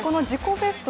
ベスト